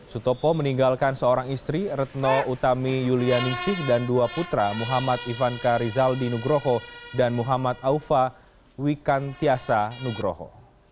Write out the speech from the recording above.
sutopo meninggalkan seorang istri retno utami yulianisi dan dua putra muhammad ivanka rizaldi nugroho dan muhammad aufa wikantiasa nugroho